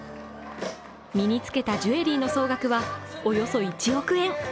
身につけたジュエリーの総額はおよそ１億円。